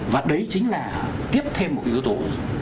và đấy chính là tiếp thêm một cái yếu tố